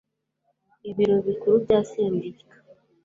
Ibiro Bikuru bya sendika